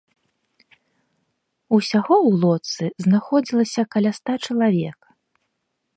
Усяго ў лодцы знаходзілася каля ста чалавек.